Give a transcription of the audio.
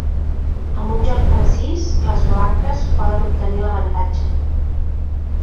Amb un joc precís, les blanques poden obtenir l'avantatge.